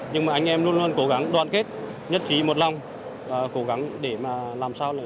nhưng mà anh em luôn luôn cố gắng đoàn kết nhất trí một lòng cố gắng để mà làm sao